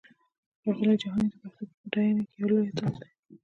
ښاغلی جهاني د پښتو په پډاینه کې یو لوی اتل دی!